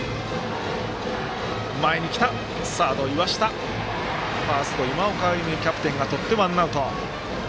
サード岩下ファースト、今岡歩夢キャプテンがとってワンアウト。